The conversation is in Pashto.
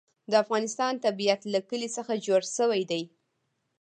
د افغانستان طبیعت له کلي څخه جوړ شوی دی.